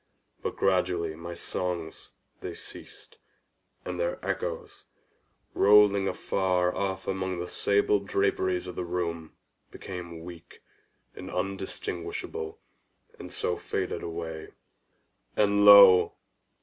But gradually my songs they ceased, and their echoes, rolling afar off among the sable draperies of the chamber, became weak, and undistinguishable, and so faded away. And lo!